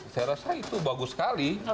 saya rasa itu bagus sekali